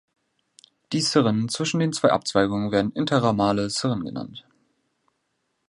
Die Cirren zwischen den zwei Abzweigungen werden interramale Cirren genannt.